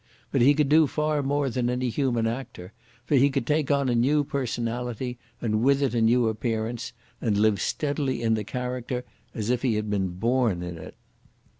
But he could do far more than any human actor, for he could take on a new personality and with it a new appearance, and live steadily in the character as if he had been born in it....